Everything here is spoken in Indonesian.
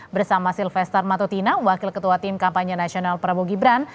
bersama silvestar matotina wakil ketua tim kampanye nasional prabowo gibran